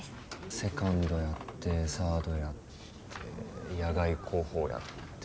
セカンドやってサードやって野外航法やって。